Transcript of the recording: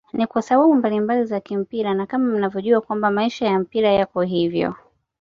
Ni kwasababu mbalimbali za kimpira na kama mnavyojua kwamba maisha ya mpira yako hivyo